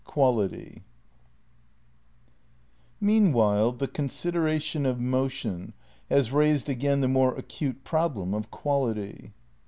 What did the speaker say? iii Meanwhile the consideration of motion has raised again the more acute problem of quality.